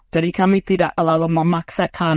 jadi kami tidak lalu memaksakan